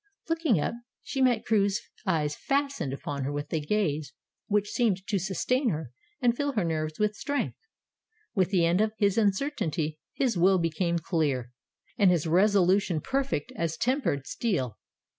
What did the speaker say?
Looking up she met Crewe's eyes fastened upon her with a gaze which seemed to sustain her and fill her nerves with strength. With the end of his uncertainty his will became clear, and his resolution perfect as tempered steel.